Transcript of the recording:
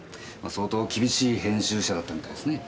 相当厳しい編集者だったみたいですね。